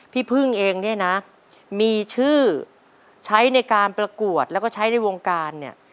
พี่พึ่งเองเนี่ยนะมีชื่อใช้ในการประกวดแล้วก็ใช้ในวงการเนี่ย